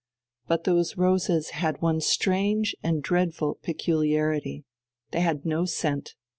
But those roses had one strange and dreadful peculiarity: they had no scent!